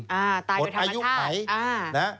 ตายโดยธรรมชาติอ๋อตายโดยธรรมชาติ